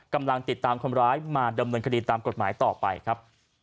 กำลังติดตามคนร้ายมาดำเนินคดีตามกฎหมายต่อไปครับ